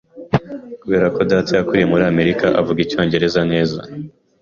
Kubera ko data yakuriye muri Amerika, avuga icyongereza neza.